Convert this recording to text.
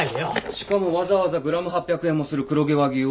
しかもわざわざグラム８００円もする黒毛和牛を使用。